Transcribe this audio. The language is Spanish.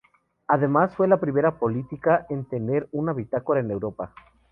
Además, fue la primera política en tener una bitácora en Europa.